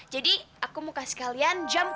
jadi aku mau kasih kalian jamu